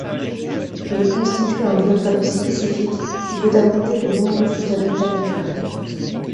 Il constitue un biotope spécifique, qui peut abriter de nombreux sous-habitats naturels.